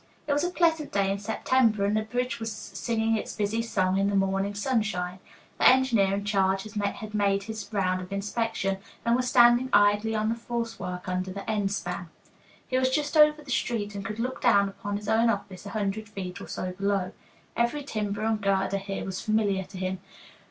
It was a pleasant day in September, and the bridge was singing its busy song in the morning sunshine. The engineer in charge had made his round of inspection, and was standing idly on the false work under the end span. He was just over the street, and could look down upon his own office, a hundred feet or so below. Every timber and girder here was familiar to him.